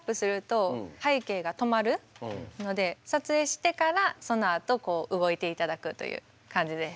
撮影してからそのあとこう動いて頂くという感じです。